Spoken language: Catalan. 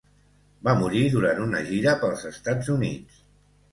Va morir durant una gira pels Estats Units.